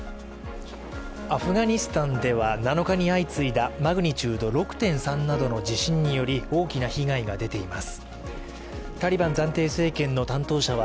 アフガニスタンでは、７日に相次いだマグニチュード６．３などの地震により大きな被害が出ています。